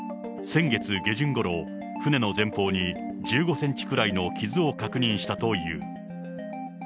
先月下旬ごろ、船の前方に１５センチくらいの傷を確認したという。